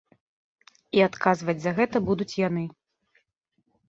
І адказваць за гэта будуць яны.